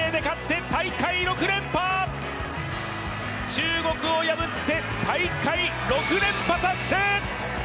中国を破って大会６連覇達成！